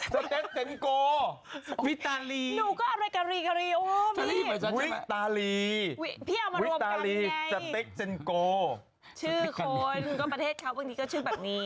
ชื่อคนก็ประเทศเขาบางทีก็ชื่อแบบนี้